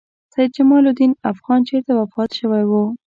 سیدجمال الدین افغان چېرته وفات شوی و؟